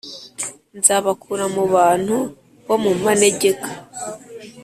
Nzabakura mu bantu bo mumanegek